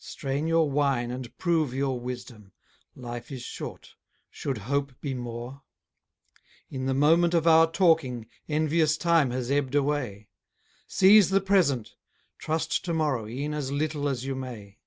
Strain your wine and prove your wisdom; life is short; should hope be more? In the moment of our talking, envious time has ebb'd away. Seize the present; trust to morrow e'en as little as you may.